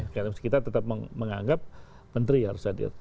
karena kita tetap menganggap menteri harus hadir